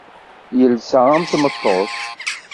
Yelsa am tmeṭṭut.